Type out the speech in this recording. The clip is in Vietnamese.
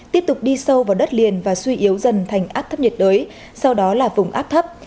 tiếp tục đi sâu vào đất liền và suy yếu dần thành áp thấp nhiệt đới sau đó là vùng áp thấp